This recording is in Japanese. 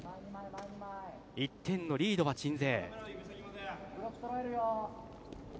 １点のリードは鎮西。